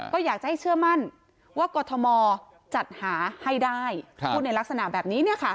ก็อยากจะให้เชื่อมั่นว่ากรทมจัดหาให้ได้พูดในลักษณะแบบนี้